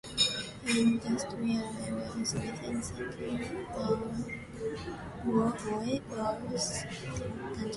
Industrial areas within Sandton are Wynberg and Kramerville.